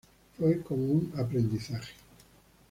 Fue como un aprendizaje".